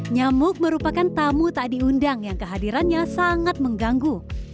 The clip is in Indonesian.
nyamuk merupakan tamu tak diundang yang kehadirannya sangat mengganggu